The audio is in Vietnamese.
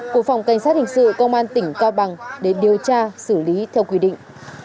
của phòng cảnh sát hình sự công an tỉnh cao bằng để điều tra xử lý theo quy định